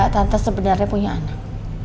tante sebenarnya punya anak